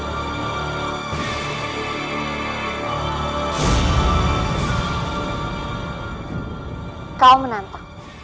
aku bukan kampedyak yang mengajar